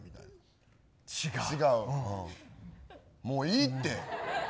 もういいって。